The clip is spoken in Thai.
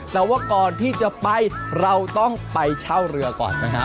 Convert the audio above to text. แต่ว่าก่อนที่จะไปเราต้องไปเช่าเรือก่อนนะฮะ